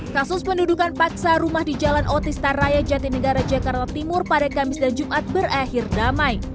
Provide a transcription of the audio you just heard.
kasus pendudukan paksa rumah di jalan otista raya jatinegara jakarta timur pada kamis dan jumat berakhir damai